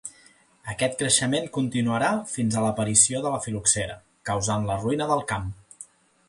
Aquest creixement continuarà fins a l'aparició de la fil·loxera, causant la ruïna del camp.